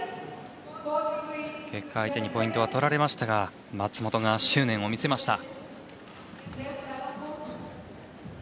結果、相手にポイントは取られましたが松本が執念を見せました。